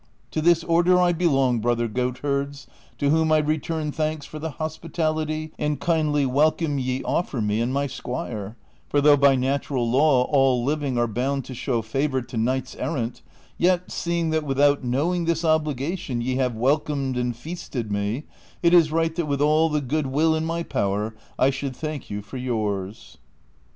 To this order I belong, brother goatherds, to whom I return thanks for the hospitality and kindly welcome ye offer me and my squire ; for though by natural law all living are bound to show favor to knights errant, yet, seeing that without knowing this obligation ye have welcomed and feasted me, it is right that with all the good Avill in my power I should thaidc you for yours."